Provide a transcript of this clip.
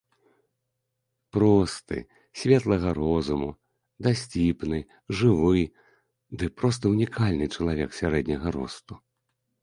Просты, светлага розуму, дасціпны, жывы, ды проста унікальны чалавек сярэдняга росту.